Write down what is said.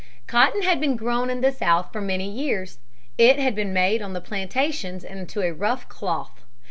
Cotton had been grown in the South for many years. It had been made on the plantations into a rough cloth.